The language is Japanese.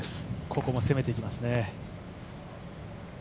ここも攻めていきますね。